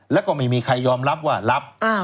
แล้วก็ไม่มีใครยอมรับว่ารับ